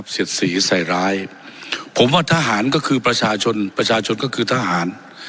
เสียดสีใส่ร้ายผมว่าทหารก็คือประชาชนประชาชนก็คือทหาร